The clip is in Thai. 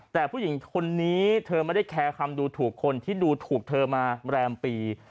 แต่ผู้หญิงคนนี้เธอไม่ได้แคร์คำดูถูกคนที่ดูถูกเธอมาแรมปี